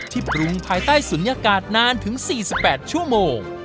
ที่ปรุงภายใต้สรุญ๖๐๐นานถึง๔๘ชั่วโมง